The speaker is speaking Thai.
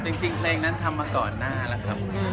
จริงเพลงนั้นทำมาก่อนหน้าแล้วครับ